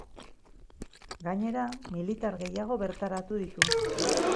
Gainera, militar gehiago bertaratu ditu.